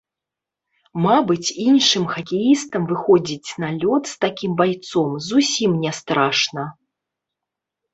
Мабыць, іншым хакеістам выходзіць на лёд з такім байцом зусім не страшна.